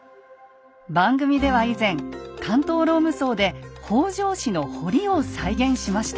番組では以前関東ローム層で北条氏の堀を再現しました。